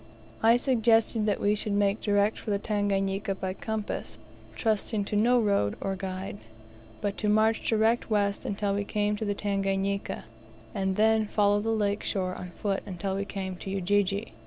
I suggested that we should make direct for the Tanganika by compass, trusting to no road or guide, but to march direct west until we came to the Tanganika, and then follow the lake shore on foot until we came to Ujiji.